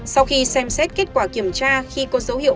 sau khi xem xét kết quả kiểm tra khi có dấu hiệu